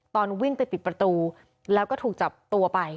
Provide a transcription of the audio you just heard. ตอนวิ่งไปปิดประตูแล้วก็ถูกจับตัวไป